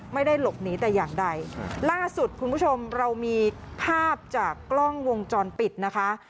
ไม่ได้หลบหนีแต่อย่างใดล่าสุดคุณผู้ชมเรามีภาพจากกล้องวงจรปิดนะคะ